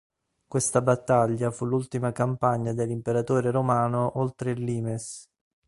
Questa battaglia fu l'ultima campagna dell'imperatore romano oltre il limes.